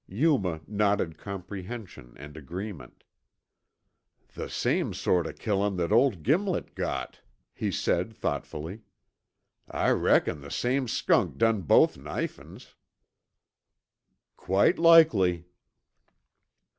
Yuma nodded comprehension and agreement. "The same sort o' killin' that old Gimlet got," he said thoughtfully. "I reckon the same skunk done both knifin's." "Quite likely."